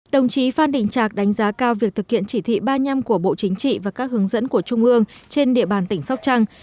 đồng chí phan đình trạc đánh giá cao việc thực hiện chỉ thị ba mươi năm của bộ chính trị và các hướng dẫn của trung ương trên địa bàn tỉnh sóc trăng